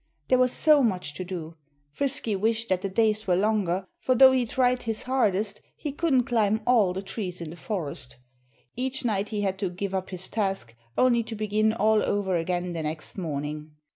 There was so much to do! Frisky wished that the days were longer, for though he tried his hardest, he couldn't climb all the trees in the forest. Each night he had to give up his task, only to begin all over again the next morning.